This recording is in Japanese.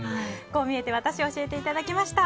こう見えてワタシを教えていただきました。